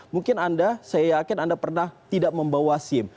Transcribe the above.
mungkin anda saya yakin anda pernah tidak membawa sim